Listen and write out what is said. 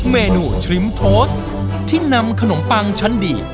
เมนูทริมโทสที่นำขนมปังชั้นดี